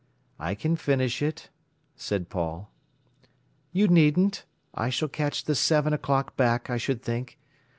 "I can finish it," said Paul. "You needn't. I shall catch the seven o'clock back, I should think.